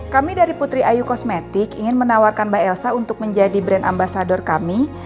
kami dari putri ayu kosmetik ingin menawarkan mbak elsa untuk menjadi brand ambasador kami